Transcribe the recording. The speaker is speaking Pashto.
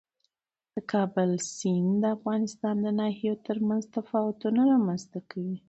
د کابل سیند د افغانستان د ناحیو ترمنځ تفاوتونه رامنځته کوي.